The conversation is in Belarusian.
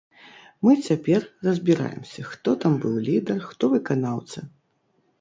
Мы цяпер разбіраемся, хто там быў лідар, хто выканаўца.